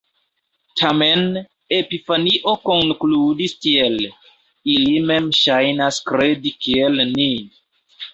Tamen, Epifanio konkludis tiel: "“Ili mem ŝajnas kredi kiel ni”".